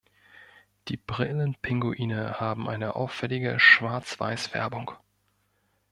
Die Brillenpinguine haben eine auffällige Schwarz-weiß-Färbung.